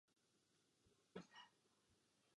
Narodil se do bývalé šlechtické rodiny.